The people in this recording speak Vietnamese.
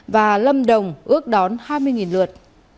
và lâm đồng ước đón hai mươi lượt